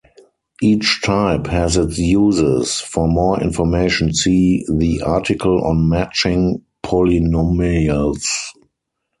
Each type has its uses; for more information see the article on matching polynomials.